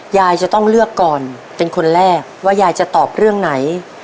ยายจะต้องเลือกก่อนเป็นคนแรกว่ายายจะตอบเรื่องไหน